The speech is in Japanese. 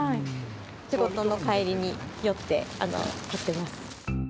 仕事の帰りによって、買ってます。